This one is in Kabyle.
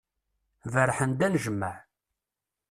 Berrḥen-d anejmaε.